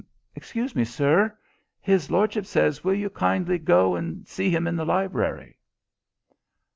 "Excuse me, sir. His lordship says will you kindly go and see him in the library?"